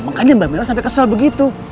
makanya mbak mirna sampe kesel begitu